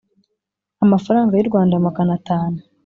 amafaranga y u Rwanda magana atanu